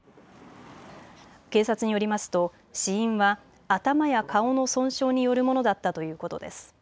警察によりますと死因は頭や顔の損傷によるものだったということです。